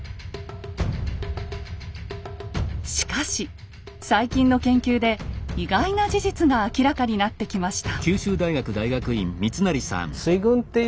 しかし最近の研究で意外な事実が明らかになってきました。